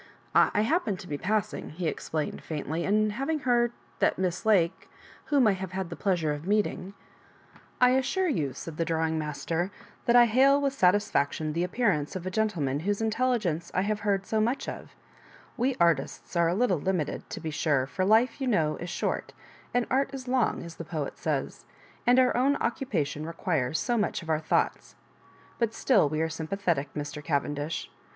'> ^'I happened to be passing," be explain ed, faintly, and having heard that Miss Lake, whom I have had the pleasure of meet ing *"*' I assure you," said the drawing master, *' that I hail with satisfaction the appearance of a gentleman whose intelligenoe I have heard so much of We artists are a little limited, to be sure; for life, you know, is short, and art is long, as the poet sajrs^ and our own occupa tion requires so much of our thoughts. But still we are sympathetic, Mr. Cavendish.